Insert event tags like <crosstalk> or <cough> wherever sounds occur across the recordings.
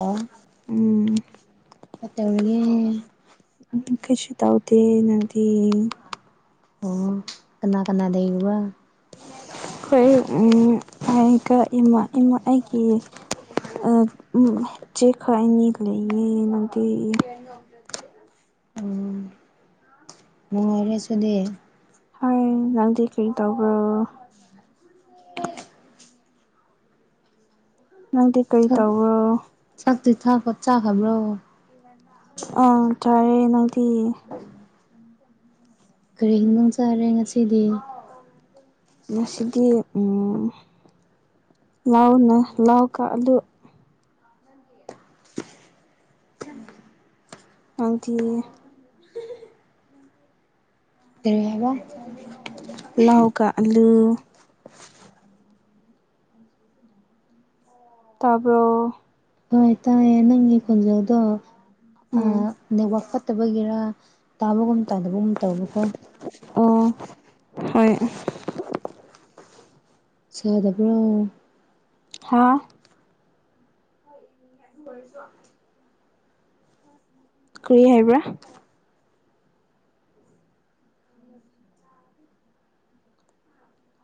ꯑꯣ ꯎꯝ ꯇꯔꯤꯒꯦ꯫ ꯀꯩꯁꯨ ꯇꯧꯗꯦ ꯅꯪꯗꯤ꯫ ꯑꯣ ꯀꯅꯥ ꯀꯅꯥ ꯂꯩꯔꯤꯕ ꯑꯩꯈꯣꯏ ꯑꯩꯒ ꯏꯃꯥ ꯑꯩꯒꯤ꯫ ꯑ ꯎꯝ ꯢꯆꯦ ꯈꯣꯏ ꯑꯅꯤꯒ ꯂꯩꯌꯦ ꯅꯣꯏ꯫ ꯎ ꯃꯣꯏ ꯑꯣꯏꯔꯁꯨ ꯗꯦ꯫ <inaudible> ꯍꯣꯏ ꯅꯪꯗꯤ ꯀꯩ ꯇꯧꯕ꯭ꯔꯣ <unintelligible> ꯅꯪꯗꯤ ꯀꯔꯤ ꯆꯥꯛ ꯇꯧꯕ꯭ꯔꯣ꯫ ꯆꯥꯛꯇꯤ ꯆꯥꯕꯥ ꯆꯥꯈꯕ꯭ꯔꯣ꯫ ꯑ ꯆꯥꯌꯦ ꯅꯪꯗꯤ꯫ ꯀꯔꯤ ꯍꯤꯟꯖꯥꯡ ꯆꯥꯔꯦ ꯉꯁꯤꯗꯤ꯫ ꯉꯁꯤꯗꯤ ꯂꯥꯎꯅ ꯂꯥꯎ ꯀꯛ ꯑꯗꯨ꯫ ꯅꯪꯗꯤ꯫ ꯀꯔꯤꯍꯥꯏꯕ ꯂꯥꯎꯀ ꯑꯂꯨ꯫ ꯇꯥꯔꯕꯣ꯫ ꯍꯣꯏ ꯇꯥꯏꯌꯦ ꯅꯪꯒꯤ ꯈꯣꯟꯖꯦꯜꯗꯣ ꯎꯝ ꯅꯦꯠꯋꯥꯛ ꯐꯠ꯫ ꯐꯠꯇꯕꯒꯤꯔꯥ ꯇꯥꯕꯒꯨꯝ ꯇꯥꯗꯕꯒꯨꯝ ꯇꯧꯕꯀꯣ ꯑꯣ ꯍꯣꯏ ꯁꯥꯗꯕ꯭ꯔꯣ ꯍꯥꯥ ꯑꯗꯨꯑꯣꯏꯔꯁꯨ ꯀꯔꯤ ꯍꯥꯏꯕ꯭ꯔꯥ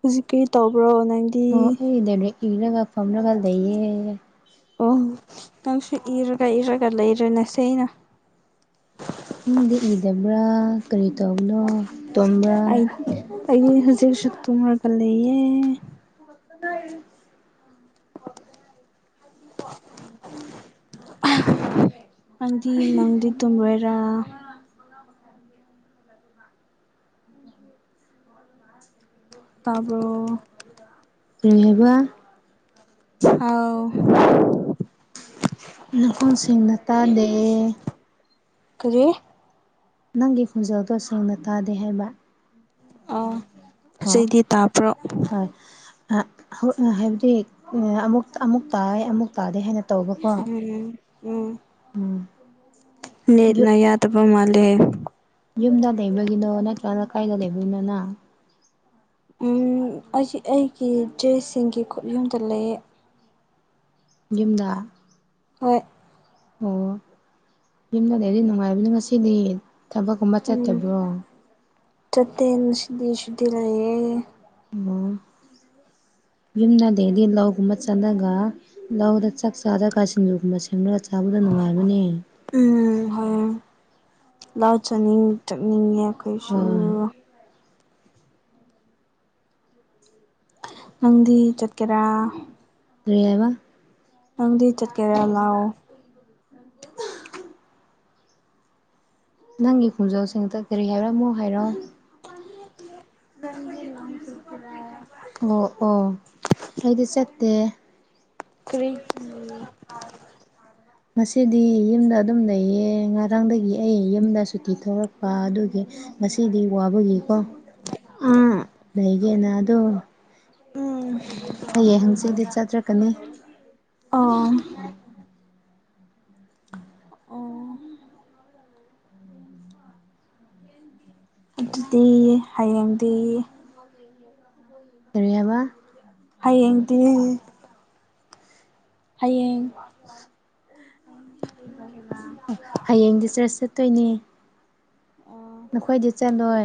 ꯍꯧꯖꯤꯛ ꯀꯔꯤ ꯇꯧꯕ꯭ꯔꯣ ꯅꯪꯒꯤ ꯑꯣ ꯑꯩ ꯗꯥꯏꯔꯤꯛ ꯏꯔꯒ ꯐꯝꯔꯒ ꯂꯩꯌꯦ ꯑꯣ ꯅꯪꯁꯨ ꯏꯔꯒ ꯏꯔꯒ ꯂꯩꯔꯦꯅꯦ ꯁꯦꯅ ꯅꯪꯗꯤ ꯏꯗꯕ꯭ꯔꯥ ꯀꯔꯤ ꯇꯧꯕꯅꯣ ꯇꯨꯝꯕ꯭ꯔꯥ ꯑꯩ ꯑꯩꯗꯤ ꯍꯧꯖꯤꯛꯁꯨ ꯇꯨꯝꯔꯒ ꯂꯩꯌꯦ ꯀꯗꯥꯏꯗꯒꯤ ꯎꯝ <unintelligible> ꯅꯪꯗꯤ ꯅꯪꯗꯤ ꯇꯨꯝꯔꯣꯏꯔꯥ <unintelligible> ꯇꯥꯕ꯭ꯔꯣ ꯀꯔꯤ ꯍꯥꯏꯕ ꯍꯥꯎ ꯅꯈꯣꯡ ꯁꯦꯡꯅ ꯇꯥꯗꯦ ꯀꯔꯤ ꯅꯪꯒꯤ ꯈꯣꯟꯖꯦꯜꯗꯣ ꯁꯦꯡꯅ ꯇꯥꯗꯦ ꯍꯥꯏꯕ ꯑꯣ ꯆꯩꯗꯤ ꯇꯥꯕ꯭ꯔꯣ ꯑ ꯍꯧꯠꯅ ꯍꯥꯏꯕꯗꯤ ꯑꯃꯨꯛ ꯑꯃꯨꯛ ꯇꯥꯏ ꯑꯃꯨꯛ ꯇꯥꯗꯦ ꯍꯥꯏꯅ ꯇꯧꯕꯀꯣ ꯎꯝ ꯎꯝ ꯎꯝ ꯅꯦꯠꯅ ꯌꯥꯗꯕ ꯃꯥꯜꯂꯦ ꯌꯨꯝꯗ ꯂꯩꯕꯒꯤꯅꯣ ꯅꯠꯇ꯭ꯔꯒꯅ ꯀꯥꯏꯗ ꯂꯩꯕꯒꯤꯅꯣ ꯅꯥ ꯎꯝ ꯑꯩꯁꯤ ꯑꯩꯒꯤ ꯗ꯭ꯔꯦꯁ ꯁꯤꯡꯒꯤ ꯈꯨꯠꯌꯨꯝꯗ ꯂꯩꯌꯦ ꯌꯨꯝꯗꯥ ꯍꯣꯏ ꯑꯣ ꯌꯨꯝꯗ ꯂꯩꯕꯗꯤ ꯅꯨꯡꯉꯥꯏꯕꯅꯤ ꯉꯁꯤꯗꯤ ꯊꯕꯛꯀꯨꯝꯕ ꯆꯠꯇꯕ꯭ꯔꯣ ꯆꯥꯠꯇꯦ ꯉꯁꯤꯗꯤ ꯁꯨꯇꯤ ꯂꯩꯌꯦ ꯑꯣ ꯌꯨꯝꯗ ꯗꯦꯗꯤ ꯂꯧꯒꯨꯝꯕ ꯆꯠꯂꯒ ꯂꯧꯗ ꯆꯥꯛ ꯆꯥꯔꯒ ꯁꯤꯡꯖꯨꯒꯨꯝꯕ ꯁꯦꯝꯔꯒ ꯆꯥꯕꯗꯣ ꯅꯨꯡꯉꯥꯏꯕꯅꯦ ꯎꯝ ꯍꯣꯏ ꯂꯥꯎ ꯆꯅꯤꯡ ꯆꯠꯅꯤꯡꯉꯦ ꯑꯩꯈꯣꯏꯁꯨ ꯍꯣꯏ ꯅꯪꯗꯤ ꯆꯠꯀꯦꯔꯥ ꯀꯔꯤ ꯍꯥꯏꯕꯥ ꯅꯪꯗꯤ ꯆꯠꯀꯦꯔꯥ ꯂꯥꯎ <unintelligible> ꯅꯪꯒꯤ ꯈꯣꯡꯖꯦꯜꯁꯤꯡꯗ ꯀꯔꯤ ꯍꯥꯏꯕ꯭ꯔꯥ ꯑꯃꯨꯛ ꯍꯥꯏꯔꯣ <unintelligible> ꯅꯪꯗꯤ ꯂꯧ ꯆꯠꯀꯦꯔꯥ ꯑꯣ ꯑꯣ ꯑꯩꯗꯤ ꯆꯠꯇꯦ ꯀꯔꯤꯒꯤ ꯉꯁꯤꯗꯤ ꯌꯨꯝꯗ ꯑꯗꯨꯝ ꯂꯩꯌꯦ ꯉꯔꯥꯡꯗꯒꯤ ꯑꯩꯒꯤ ꯌꯨꯝꯗ ꯁꯨꯇꯤ ꯊꯣꯔꯛꯄ ꯑꯗꯨꯒꯤ ꯉꯁꯤꯗꯤ ꯋꯥꯕꯒꯤꯀꯣ ꯎꯝ ꯂꯩꯒꯦꯅ ꯑꯗꯨ ꯎꯝ ꯍꯌꯦꯡ ꯍꯪꯆꯤꯠꯇꯤ ꯆꯠꯔꯛꯀꯅꯤ ꯑꯣ ꯑꯣ ꯑꯗꯨꯗꯤ ꯍꯌꯦꯡꯗꯤ ꯀꯔꯤ ꯍꯥꯏꯕ ꯍꯌꯦꯡꯗꯤ ꯍꯌꯦꯡ꯫ <unintelligible> ꯍꯌꯦꯡꯗꯤ ꯆ꯭ꯔꯁ ꯆꯠꯇꯣꯏꯅꯦ ꯅꯈꯣꯏꯗꯤ ꯆꯦꯜꯂꯣꯏ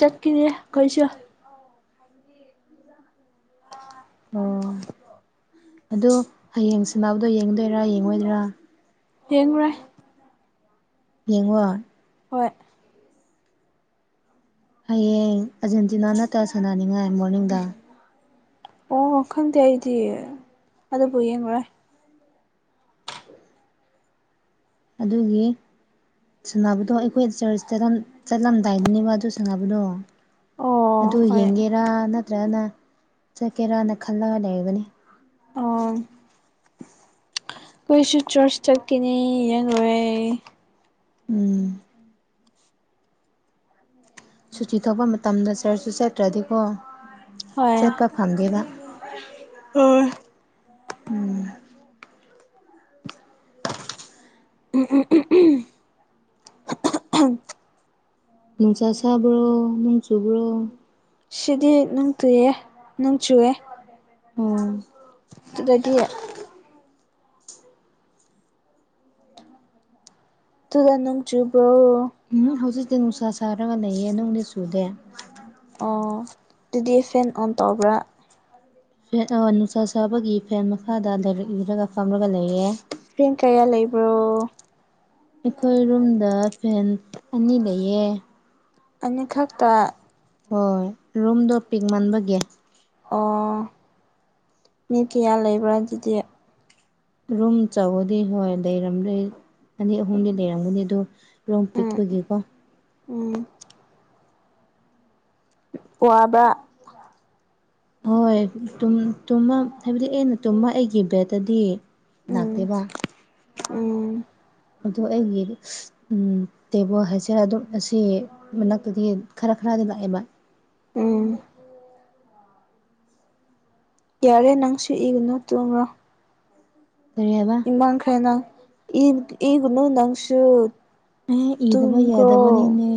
ꯆꯠꯈꯤꯅꯦ ꯑꯩꯈꯣꯏꯁꯨ <inaudible> ꯑꯣ ꯑꯗꯨ ꯍꯌꯦꯡꯁꯤꯅꯥꯕꯗꯣ ꯌꯦꯡꯗꯣꯏꯔꯥ ꯌꯦꯡꯉꯣꯏꯗꯔꯥ ꯌꯦꯡꯉꯨꯔꯦ ꯌꯦꯡꯉꯣ ꯍꯣꯏ ꯍꯌꯦꯡ ꯑꯔꯖꯦꯟꯇꯤꯅꯥ ꯅꯠꯇꯒ ꯁꯥꯟꯅꯅꯤꯡꯉꯥꯏ ꯃꯣꯔꯅꯤꯡꯗ ꯑꯣ ꯈꯪꯗꯦ ꯑꯩꯗꯤ ꯑꯗꯨꯕꯨ ꯌꯦꯡꯉꯔꯣꯏ ꯑꯗꯨꯒꯤ ꯁꯥꯟꯅꯕꯗꯣ ꯑꯩꯈꯣꯏ ꯆꯔꯆꯇꯅ ꯆꯠꯂꯝꯗꯥꯏꯗꯨꯅꯦꯕ ꯑꯗꯨ ꯁꯪꯉꯅꯕꯗꯣ ꯑꯣ ꯑꯗꯨ ꯍꯣꯏ ꯌꯦꯡꯒꯦꯔꯥ ꯅꯠ ꯅꯠꯇ꯭ꯔꯅ ꯆꯠꯀꯦꯔꯅ ꯈꯜꯂꯒ ꯂꯩꯅꯤ ꯑꯣ ꯑꯩꯈꯣꯏꯁꯨ ꯆꯔꯆ ꯆꯠꯈꯤꯅꯤ ꯌꯦ ꯂꯣꯏꯦ ꯎꯝ ꯁꯨꯇꯤ ꯊꯣꯛꯄ ꯃꯇꯝꯗ ꯆꯔ꯭ꯁꯁꯨ ꯆꯠꯇ꯭ꯔꯗꯤꯀꯣ ꯆꯠꯄ ꯐꯪꯗꯦꯕ ꯍꯣꯏ <unintelligible> ꯎꯝ꯫ ꯅꯨꯡꯁꯥ ꯁꯕ꯭ꯔꯣ ꯅꯅꯨꯡ ꯆꯨꯕ꯭ꯔꯣ ꯁꯤꯗꯤ ꯅꯨꯡ ꯇꯨꯏꯌꯦ ꯅꯣꯡ ꯆꯨꯑꯦ ꯎꯝ ꯑꯗꯨꯗꯒꯤ ꯇꯨꯗ ꯅꯣꯡ ꯆꯕ꯭ꯔꯣ ꯎꯝ ꯍꯧꯖꯤꯛꯇꯤ ꯅꯨꯡꯁꯥ ꯁꯥꯔꯒ ꯂꯩꯌꯦ ꯅꯣꯡꯗꯤ ꯆꯨꯗꯦ ꯑꯣ ꯑꯗꯨꯗꯤ ꯐꯦꯟ ꯑꯣꯟ ꯇꯧꯕ꯭ꯔꯥ ꯐ ꯅꯨꯡꯁꯥ ꯁꯥꯕꯒꯤ ꯐꯦꯟ ꯃꯈꯥꯗ ꯂꯥꯏꯔꯤꯛ ꯏꯔꯒ ꯐꯝꯔꯒ ꯂꯩꯌꯦ꯫ ꯆꯦꯡ ꯀꯌꯥ ꯂꯩꯕ꯭ꯔꯣ ꯑꯩꯈꯣꯏ ꯔꯨꯝꯗ ꯐꯦꯟ ꯑꯅꯤ ꯂꯩꯌꯦ ꯑꯅꯤꯈꯛꯇ ꯍꯣꯏ ꯔꯨꯝꯗꯣ ꯄꯤꯛ ꯃꯟꯥꯟꯕꯒꯦ ꯑꯣ ꯃꯤ ꯀꯌꯥ ꯂꯩꯕ꯭ꯔꯥ ꯑꯗꯨꯗꯤ ꯔꯨꯝ ꯆꯥꯎꯕꯗꯤ ꯍꯣꯏ ꯂꯩꯔꯝꯗꯦ ꯑꯅꯤ ꯑꯍꯨꯝꯗꯤ ꯂꯩꯔꯝꯒꯅꯤ ꯑꯗꯨ ꯔꯣꯝ ꯎꯝ ꯄꯤꯛꯄꯒꯤꯀꯣ ꯎꯝ ꯋꯥꯕ꯭ꯔꯥ ꯍꯣꯏ ꯇꯨꯝꯃ ꯍꯥꯏꯕꯗꯤ ꯑꯩꯅ ꯇꯨꯝꯃ ꯑꯩꯒꯤ ꯕꯦꯠꯇꯗꯤ ꯎꯝ ꯅꯥꯥꯛꯇꯦꯕ ꯎꯝ ꯑꯗꯨ ꯑꯩꯒꯤ ꯇꯦꯕꯣ ꯍꯥꯏꯁꯤꯔ ꯑꯗꯨꯝ ꯑꯁꯤ ꯃꯅꯥꯛꯇꯒꯤ ꯈꯔ ꯈꯔꯗ ꯂꯥꯛꯑꯦꯕ ꯎꯝ ꯌꯥꯔꯦ ꯅꯪꯁꯨ ꯏꯒꯨꯅꯣ ꯇꯣꯡꯕ꯭ꯔꯣ ꯀꯔꯤ ꯍꯥꯏꯕ ꯃꯥꯡ ꯈꯥꯏꯅ ꯏ ꯏꯒꯅꯪꯁꯨꯨ ꯑꯦ ꯏꯗꯕ ꯌꯥꯗꯕꯅꯤꯅꯦ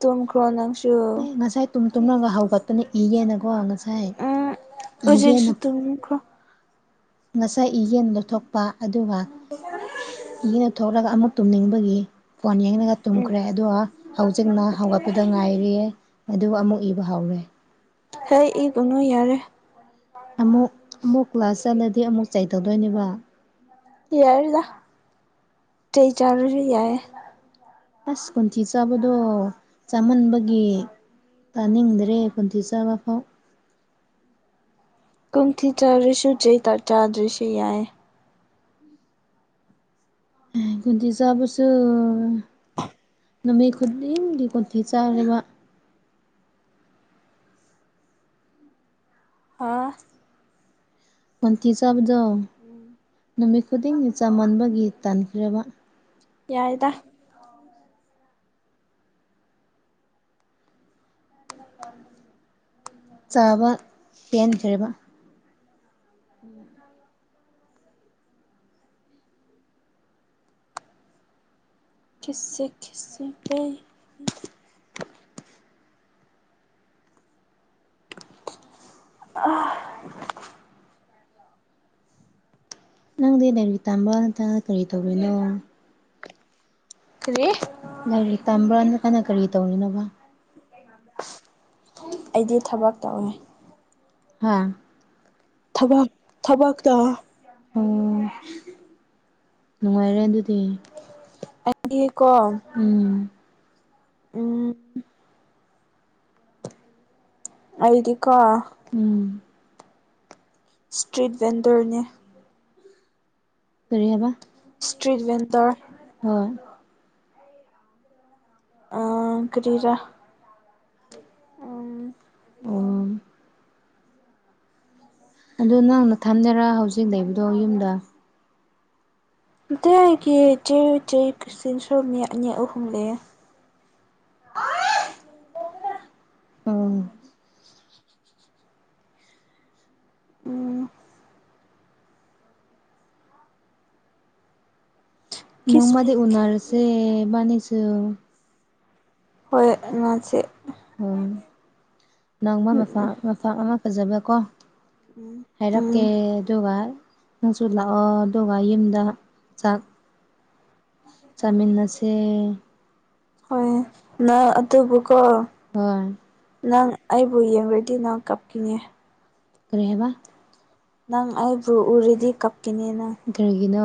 ꯇꯨꯝꯈ꯭ꯔꯣ ꯅꯪꯁꯨ ꯑꯦ ꯉꯁꯥꯏ ꯇꯨꯝ ꯇꯨꯝꯂꯒ ꯍꯧꯒꯠꯇꯨꯅ ꯏꯒꯦꯅꯀꯣ ꯉꯁꯥꯏ ꯎꯝ ꯍꯧꯖꯤꯛꯁꯨ ꯏꯒꯦꯅ ꯇꯨꯝꯈ꯭ꯔꯣ ꯉꯁꯥꯏ ꯏ ꯌꯦꯟ ꯂꯧꯊꯣꯛꯄ ꯑꯗꯨꯒ ꯌꯦꯟ ꯂꯧꯊꯣꯛꯂꯒ ꯑꯃꯨꯛ ꯇꯨꯝꯅꯤꯡꯕꯒꯤ ꯐꯣꯟ ꯌꯦꯡꯂꯒ ꯎꯝ ꯇꯨꯝꯈ꯭ꯔꯦ ꯑꯗꯨꯒ ꯍꯧꯖꯤꯛꯅ ꯍꯧꯒꯠꯄꯗ ꯉꯥꯏꯔꯤꯌꯦ ꯑꯗꯨꯒ ꯑꯃꯨꯛ ꯏꯕ ꯍꯧꯔꯦ ꯍꯦ ꯏ ꯀꯅꯨ ꯌꯔꯦ꯫ ꯑꯃꯨꯛ ꯑꯃꯨꯛ ꯀ꯭ꯂꯥꯁ ꯆꯠꯂꯗꯤ ꯑꯃꯨꯛ ꯆꯥꯏ ꯇꯧꯗꯣꯏꯅꯦꯕ ꯌꯥꯏꯔꯗ ꯆꯩ ꯆꯔꯁꯨ ꯌꯥꯏꯌꯦ꯫ ꯑꯁ ꯈꯣꯟꯊꯤ ꯆꯥꯕꯗꯣ ꯆꯥꯃꯟꯕꯒꯤ ꯇꯥꯅꯤꯡꯗ꯭ꯔꯦ ꯈꯣꯟꯊꯤ ꯆꯥꯕ ꯐꯥꯎ ꯀꯨꯝꯊꯤ ꯆꯥꯔꯁꯨ ꯆꯩꯇ ꯆꯥꯗ꯭ꯔꯁꯨ ꯌꯥꯏ꯫ ꯀꯨꯟꯗꯤꯖꯕꯁꯨ꯫ ꯅꯨꯃꯤꯠ ꯈꯨꯗꯤꯡꯒꯤ ꯀꯣꯟꯊꯤ ꯆꯥꯔꯤꯕ ꯍꯥ ꯟꯇꯤ ꯆꯥꯕꯗꯣ ꯅꯨꯃꯤꯠ ꯈꯨꯗꯤꯡꯒꯤ ꯆꯃꯟꯕꯒꯤ ꯇꯥꯟꯈ꯭ꯔꯦꯕ ꯌꯥꯏꯗ <inaudible> ꯆꯥꯕ ꯄꯦꯟꯈ꯭ꯔꯦꯕ <inaudible> ꯀꯤꯁꯦ ꯈꯤꯁꯦ ꯄꯦ ꯑꯥꯍꯥ ꯅꯪꯗꯤ ꯂꯥꯏꯔꯤꯛ ꯇꯥꯝꯕ ꯅꯠꯇ ꯀꯔꯤ ꯇꯧꯔꯤꯅꯣ? ꯀꯔꯤ ꯂꯥꯏꯔꯤꯛ ꯇꯝꯕ꯭ꯔꯥ ꯅꯠꯇꯅ ꯀꯔꯤ ꯇꯧꯔꯤꯅꯣꯕ ꯑꯩꯗꯤ ꯊꯕꯛ ꯇꯧꯋꯦ꯫ ꯍꯥꯥ ꯊꯕꯛ ꯊꯕꯛꯋꯦ꯫ ꯑꯣ ꯅꯨꯡꯉꯥꯏꯔꯦ ꯑꯗꯨꯗꯤ ꯑꯩꯗꯤ ꯀꯣ ꯎꯝ ꯑꯩꯗꯤ ꯀꯣ ꯎꯝ ꯏꯁꯇ꯭ꯔꯤꯠ ꯚꯦꯟꯗꯔꯅꯦ꯫ ꯀꯔꯤꯍꯥꯏꯕ ꯏꯁꯇ꯭ꯔꯤꯠ ꯕꯦꯟꯗꯔ ꯇꯋꯤ ꯫ ꯍ <inaudible> ꯑ ꯀꯔꯤꯔꯥ ꯎꯝ ꯎꯝ ꯑꯗꯨꯗ ꯅꯪ ꯅꯊꯟꯗꯔꯥ ꯍꯧꯖꯤꯛ ꯂꯩꯕꯗꯣ ꯌꯨꯝꯗ ꯃꯇꯩ ꯑꯩꯒꯤ ꯆꯦ ꯆꯩ ꯁꯤꯁꯨꯣ ꯃꯤ ꯑꯅꯤ ꯑꯍꯨꯝ ꯂꯩꯌꯦ꯫ ꯎꯝ ꯎꯝ ꯈꯤꯁꯃꯤ ꯅꯣꯡꯃꯗꯤ ꯎꯅꯔꯁꯦ ꯏꯕꯥꯅꯤꯁꯨ ꯍꯣꯏ ꯑꯉꯁꯤ꯫ ꯑꯣ ꯅꯪꯕ ꯃꯁꯥ ꯃꯁꯥ ꯑꯃ ꯐꯖꯕ꯭ꯔꯀꯣ ꯎꯝ ꯍꯥꯏꯔꯛꯀꯦ ꯑꯗꯨꯒ ꯅꯪꯁꯨ ꯂꯥꯛꯑꯣ ꯑꯗꯨꯒ ꯌꯨꯝꯗ ꯆꯥꯛ ꯆꯥꯃꯤꯟꯅꯁꯦ꯫ ꯍꯣꯏ ꯅꯪ ꯑꯗꯨꯕꯨꯀꯣ ꯍꯣꯏ ꯅꯪ ꯑꯩꯕꯨ ꯌꯦꯡꯕꯗꯤ ꯅꯪ ꯀꯞꯈꯤꯅꯦ꯫ ꯀꯔꯤ ꯍꯥꯏꯕ ꯅꯪ ꯑꯩꯕꯨ ꯎꯔꯤꯗꯤ ꯀꯞꯀꯅꯤ ꯅꯪ ꯀꯔꯤꯒꯤꯅꯣ꯫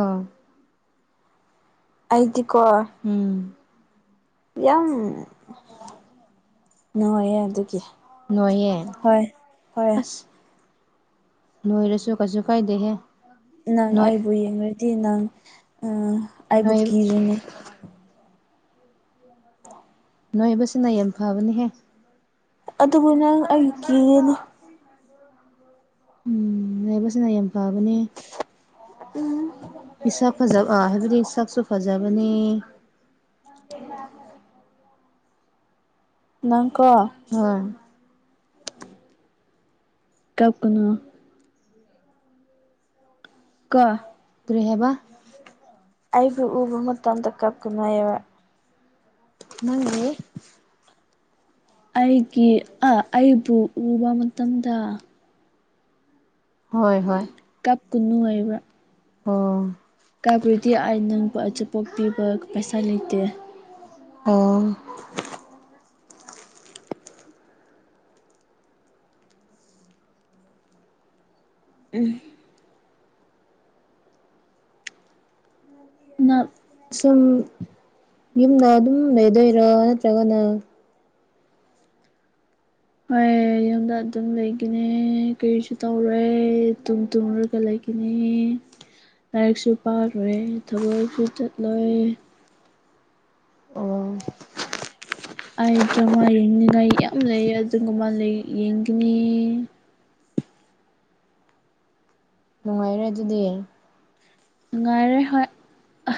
ꯑꯩꯗꯤꯀꯣ ꯎꯝ ꯌꯥꯝ ꯅꯨꯡꯉꯥꯏꯌꯦ ꯑꯗꯨꯒꯤ ꯅꯣꯏꯍꯦ ꯍꯣꯏ ꯍꯣꯏ ꯑꯁ ꯅꯣꯏꯔꯁꯨ ꯀꯩꯁꯨ ꯀꯥꯏꯗꯦꯍꯦ ꯅꯪ ꯅꯣꯏ ꯑꯩꯕꯨ ꯌꯦꯡꯨꯔꯗꯤ ꯅꯪ ꯑꯩꯕꯨ ꯅꯣꯏ ꯀꯤꯔꯣꯏꯅꯦ ꯅꯣꯏꯕꯁꯤꯅ ꯌꯥꯝ ꯐꯕꯅꯤꯍꯦ ꯑꯗꯨꯕꯨ ꯅꯪ ꯑꯩ ꯀꯒꯅꯤ <unintelligible> ꯎꯝ ꯂꯕꯁꯤꯅ ꯌꯥꯝ ꯐꯕꯅꯦ ꯎꯝ ꯏꯁꯛ ꯐꯖꯕ ꯍꯥꯏꯕꯗꯤ ꯁꯥꯛꯁꯨ ꯐꯖꯕꯅꯤ <unintelligible> ꯅꯪꯀꯣ ꯍꯣꯏ ꯀꯞꯄꯅ ꯀ ꯀꯔꯤ ꯍꯥꯏꯕ ꯑꯩꯕꯨ ꯎꯕ ꯃꯇꯝꯗ ꯀꯞꯀꯅꯩꯑꯕ ꯅꯪꯦ <unintelligible> ꯑꯩꯒꯤ ꯑꯩꯕꯨ ꯎꯕ ꯃꯇꯝꯗ ꯍꯣꯏ ꯍꯣꯏ꯫ ꯀꯞꯄꯨꯅꯨ ꯑꯣꯏꯕ꯭ꯔꯥ꯫ ꯑꯣ ꯀꯥꯕꯨꯗꯤ ꯑꯥꯏ ꯅꯪꯕꯨ ꯑꯆꯥꯄꯣꯛ ꯄꯤꯕ ꯄꯩꯁꯥ ꯂꯩꯇꯦ ꯑꯣ꯫ <unintelligible> ꯅ ꯁꯨꯝ ꯌꯨꯝꯗ ꯑꯗꯨꯝ ꯂꯩꯗꯣꯏꯔꯥ ꯅꯠꯇ꯭ꯔꯒꯅ ꯍꯣꯏ ꯌꯨꯝꯗ ꯑꯗꯨꯝ ꯂꯩꯈꯤꯅꯦ ꯀꯔꯤꯁꯨ ꯇꯧꯔꯦ ꯇꯨꯡ ꯇꯨꯡꯂꯨꯔꯒ ꯂꯩꯒꯦ ꯅꯤ ꯂꯥꯏꯔꯤꯛꯁꯨ ꯄꯥꯔꯣꯏ ꯊꯕꯛꯁꯨ ꯆꯠꯂꯣꯏ ꯑꯣ ꯑꯩ ꯗ꯭ꯔꯃꯥ ꯌꯦꯡꯅꯤꯡꯉꯥꯏ ꯌꯥꯝ ꯂꯩ ꯑꯗꯨꯒꯨꯝꯕ ꯌꯦꯡꯈꯤꯅꯤ ꯅꯨꯡꯉꯥꯏꯔꯦ ꯑꯗꯨꯗꯤ ꯉꯅꯨꯡ ꯉꯥꯏꯔꯦ ꯍꯣꯏ ꯑ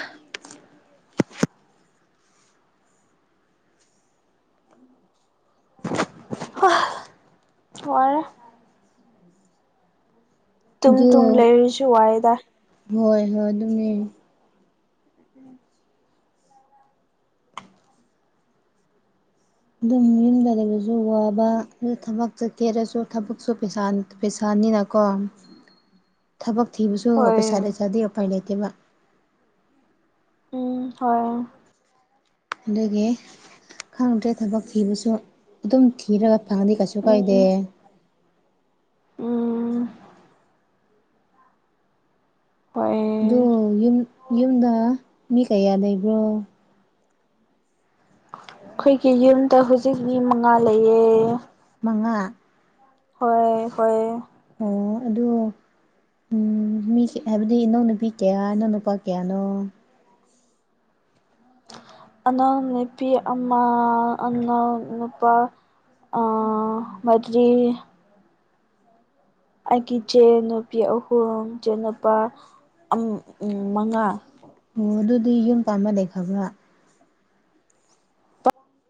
ꯋꯥꯏꯌꯦ꯫ ꯇꯨꯝ ꯑꯗꯨ ꯇꯨꯝ ꯂꯩꯔꯁꯨ ꯋꯥꯗ ꯍꯣꯏ ꯍꯣꯏ ꯑꯗꯨꯅꯦ <unintelligible> ꯑꯗꯨꯝ ꯌꯨꯝꯗ ꯂꯩꯕꯁꯨ ꯋꯥꯕ ꯑꯗꯨ ꯊꯕꯛ ꯆꯠꯊꯦꯔꯁꯨ ꯊꯕꯛꯁꯨ ꯄꯩꯁꯥ ꯄꯩꯁꯥꯅꯤꯅꯀꯣ ꯊꯕꯛ ꯊꯤꯕꯁꯨ ꯍꯣꯏ ꯄꯩꯁꯥ ꯂꯩꯇ꯭ꯔꯗꯦ ꯎꯄꯥꯏ ꯂꯩꯇꯦꯕ꯫ ꯎꯝ ꯍꯣꯏ ꯑꯗꯨꯗꯒꯤ ꯈꯪꯗ꯭ꯔꯦ ꯊꯕꯛ ꯊꯤꯕꯁꯨ ꯑꯗꯨꯝ ꯊꯤꯔꯒ <unintelligible> ꯀꯩꯁꯨ ꯀꯥꯏꯗꯦ ꯎꯝ ꯎꯝ꯫ ꯑꯗꯨ ꯍꯣꯏ ꯌꯨꯝ ꯌꯨꯝꯗ ꯃꯤ ꯀꯌꯥ ꯂꯩꯕ꯭ꯔꯣ꯫ ꯑꯩꯈꯣꯏꯒꯤ ꯌꯨꯝꯗ ꯍꯧꯖꯤꯛ ꯃꯤ ꯃꯉꯥ ꯂꯩꯌꯦ꯫ ꯃꯉꯥ ꯍꯣꯏ ꯍꯣꯏ ꯑꯣ ꯑꯗꯨ ꯎꯝ ꯃꯤ ꯍꯥꯏꯕꯗꯤ ꯏꯅꯧ ꯅꯨꯨꯄꯤ ꯀꯌꯥꯅꯣ ꯏꯅꯎ ꯅꯨꯄꯥ ꯀꯌꯥꯅꯣ ꯑꯉꯥꯡ ꯅꯨꯄꯤ ꯑꯃ ꯑꯉꯥꯡ ꯅꯨꯄꯥ ꯑꯥ ꯃꯔꯤ ꯑꯩꯒꯤ ꯏꯆꯦ ꯅꯨꯄꯤ ꯑꯍꯨꯝ ꯏꯆꯦꯟꯅꯨꯄꯥ ꯃꯉꯥ ꯑꯣ ꯑꯗꯨꯗꯤ ꯌꯨꯝ ꯄꯥꯟꯕ ꯂꯩꯈꯕ꯭ꯔꯥ